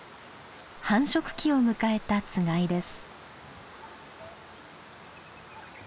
繁殖期を迎えたつがいです。